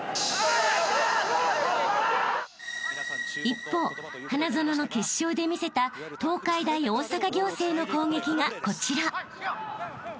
［一方花園の決勝で見せた東海大大阪仰星の攻撃がこちら］